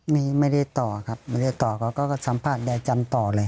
ไม่ได้ต่อครับไม่ได้ต่อเขาก็สัมภาษณ์ยายจำต่อเลย